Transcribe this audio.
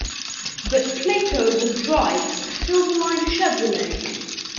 But Plato will drive for Silverline Chevrolet.